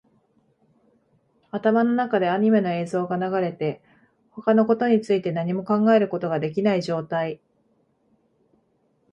頭の中でアニメの映像が流れて、他のことについて何も考えることができない状態